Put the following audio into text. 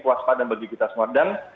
kewaspada bagi kita semua dan